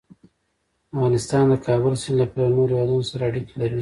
افغانستان د د کابل سیند له پلوه له نورو هېوادونو سره اړیکې لري.